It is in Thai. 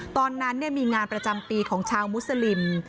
ตอนนั้นมีงานประจำปีของชาวมุสลิม